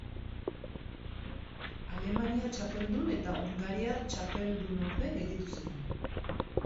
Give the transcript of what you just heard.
Alemania txapeldun eta Hungaria txapeldunorde gelditu ziren.